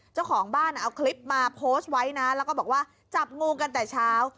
เจ้าของบ้านเอาคลิปมาโพสต์ไว้นะแล้วก็บอกว่าจับงูกันแต่เช้า